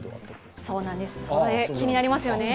それ、気になりますよね。